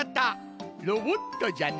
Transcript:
ロボットじゃな！